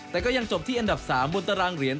แต่ก็ยังจบที่อันดับ๓บนตารางเหรียญ